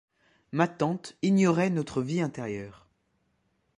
Ma tante ignorait notre vie intérieure.